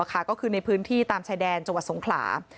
ก็คือในพื้นที่ตามชายแดนจสงขลา